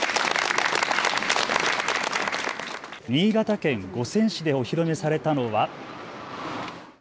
新潟県五泉市でお披露目されたのは。